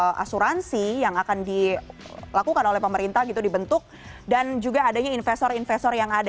ada asuransi yang akan dilakukan oleh pemerintah gitu dibentuk dan juga adanya investor investor yang ada